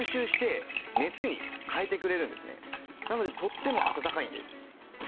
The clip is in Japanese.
なのでとっても暖かいんです。